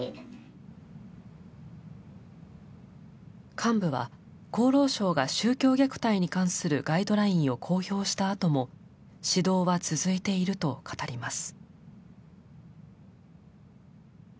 幹部は厚労省が宗教虐待に関するガイドラインを公表したあとも指導は続いていると語ります。